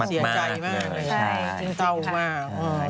เสียใจมากเลยซึมเศร้ามาก